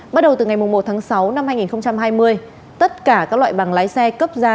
bắt đầu từ ngày một tháng sáu năm hai nghìn hai mươi tất cả các loại bằng lái xe cấp ra